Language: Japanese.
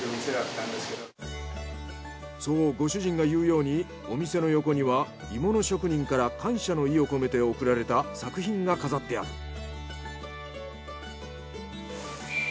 そうご主人が言うようにお店の横には鋳物職人から感謝の意を込めて贈られた作品が飾ってある。